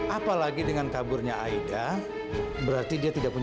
apalagi dengan kaburnya aida berarti dia tidak punya